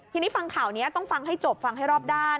ทีนี้ฟังข่าวนี้ต้องฟังให้จบฟังให้รอบด้าน